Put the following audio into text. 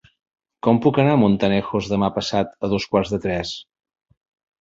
Com puc anar a Montanejos demà passat a dos quarts de tres?